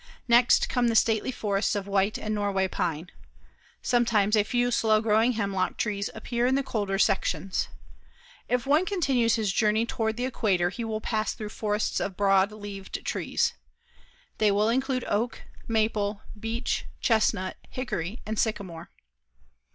Next come the stately forests of white and Norway pine. Sometimes a few slow growing hemlock trees appear in the colder sections. If one continues his journey toward the equator he will next pass through forests of broad leaved trees. They will include oak, maple, beech, chestnut, hickory, and sycamore.